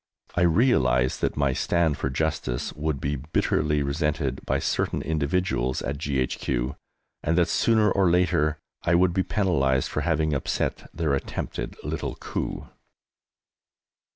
I realized that my stand for justice would be bitterly resented by certain individuals at G.H.Q., and that, sooner or later, I would be penalised for having upset their attempted little coup.